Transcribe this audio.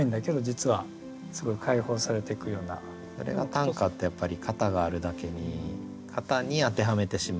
短歌ってやっぱり型があるだけに型に当てはめてしまうっていう。